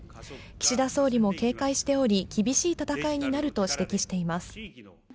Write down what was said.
岸田総理も警戒しており、厳しい戦いになると指摘しています。